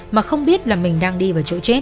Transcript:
mà không biết là mình đang đi vào chỗ chết